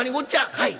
「はい。